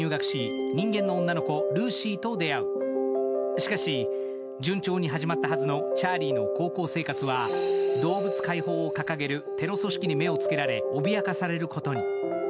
しかし、順調に始まったはずのチャーリーの高校生活は、動物解放を掲げるテロ組織に目をつけられ、脅かされることに。